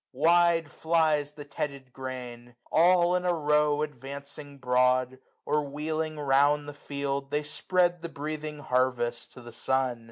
360 Wide flies the tedded grain ; all in a row Advancing broad, or wheeling round the field. They spread the breathing harvest to the sun.